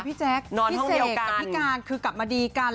พี่เศกกับพี่การคือกลับมาดีกัน